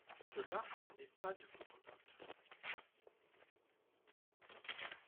Cela n’est pas de votre faute !